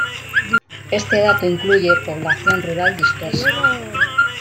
Este dato incluye población rural dispersa.